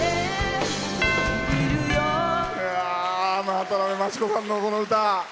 渡辺真知子さんのこの歌。